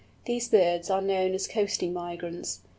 These birds are known as coasting migrants.